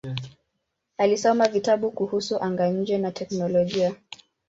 Alisoma vitabu kuhusu anga-nje na teknolojia.